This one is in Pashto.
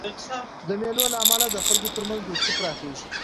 د مېلو له امله د خلکو ترمنځ دوستي پراخېږي.